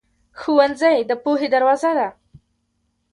ښوونځی د پوهې دروازه ده.